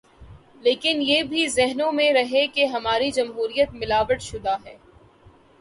لیکن یہ بھی ذہنوں میں رہے کہ ہماری جمہوریت ملاوٹ شدہ ہے۔